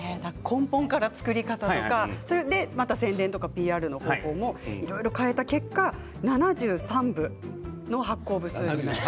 根本から作り方とか宣伝、ＰＲの方法もいろいろ変えた結果７３部の発行部数で。